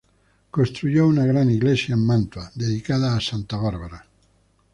Construyó una gran iglesia en Mantua, dedicada a Santa Bárbara.